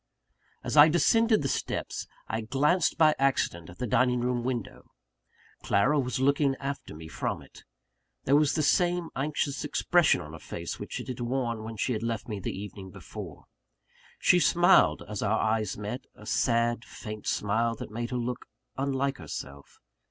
As I descended the steps, I glanced by accident at the dining room window. Clara was looking after me from it. There was the same anxious expression on her face which it had worn when she left me the evening before. She smiled as our eyes met a sad, faint smile that made her look unlike herself.